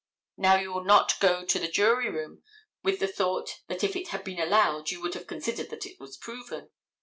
Now you will not go to the jury room with the thought that if it had been allowed you would have considered that it was proven.